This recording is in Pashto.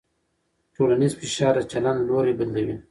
ټولنیز فشار د چلند لوری بدلوي.